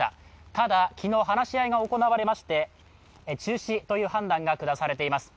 ただ昨日、話し合いが行われまして中止という判断がくだされています。